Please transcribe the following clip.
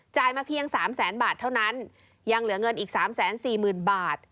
มาเพียง๓แสนบาทเท่านั้นยังเหลือเงินอีก๓๔๐๐๐บาท